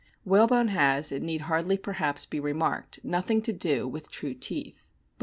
Whalebone has it need hardly perhaps be re marked nothing to do with true teeth ; but it is LU H o